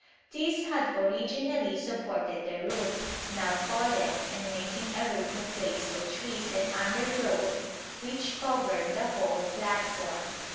These had originally supported the roof, now fallen and making a rooting place for trees and undergrowth which covered the whole platform.